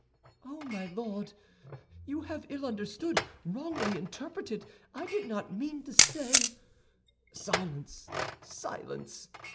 "Oh, my Lord! You have ill understood, wrongly interpreted; I did not mean to say—" "Silence, silence!"